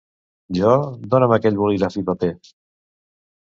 Jo, dona'm aquell bolígraf i paper.